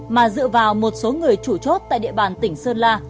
mà dựa vào một số người chủ chốt tại địa bàn tỉnh sơn la